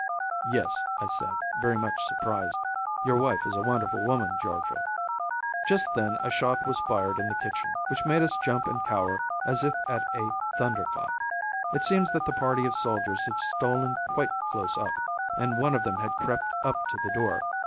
'Yes,' I said, very much surprised; 'your wife is a wonderful woman, Giorgio.' Just then a shot was fired in the kitchen, which made us jump and cower as if at a thunder clap. It seems that the party of soldiers had stolen quite close up, and one of them had crept up to the door.